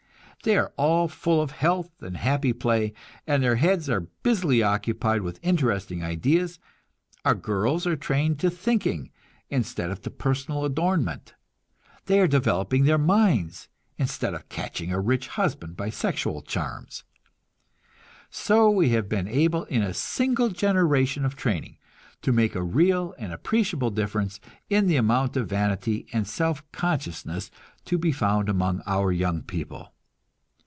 They are all full of health and happy play, and their heads are busily occupied with interesting ideas. Our girls are trained to thinking, instead of to personal adornment; they are developing their minds, instead of catching a rich husband by sexual charms. So we have been able, in a single generation of training, to make a real and appreciable difference in the amount of vanity and self consciousness to be found among our young people.